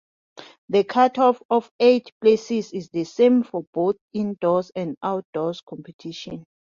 The cutoff of eight places is the same for both indoor and outdoor competition.